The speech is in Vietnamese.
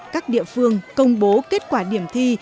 các địa phương công bố kết quả điểm thi